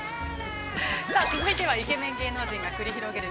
◆続いては、イケメン芸能人が来り広げる